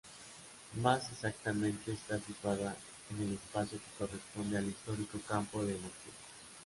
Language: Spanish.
Más exactamente está situada en el espacio que corresponde al histórico Campo de Montiel.